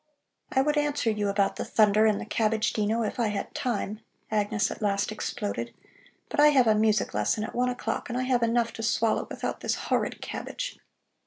"I would answer you about the thunder and the cabbage, Dino, if I had time," Agnes at last exploded. "But I have a music lesson at one o'clock and I have enough to swallow without this horrid cabbage."